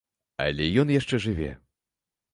Але ён яшчэ жыве.